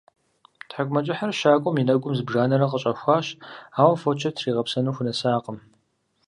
ТхьэкӀумэкӀыхьыр щакӀуэм и нэгум зыбжанэрэ къыщӀэхуащ, ауэ фочыр тригъэпсэну хунэсакъым.